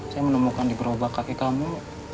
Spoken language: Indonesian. saya menemukan di berobat kakek kamu